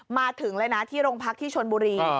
มาถึงเลยนะที่โรงพักที่ชนบุรี